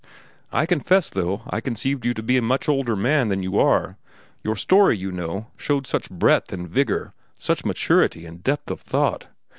"I confess, though, I conceived you to be a much older man than you are. Your story, you know, showed such breadth, and vigor, such maturity and depth of thought.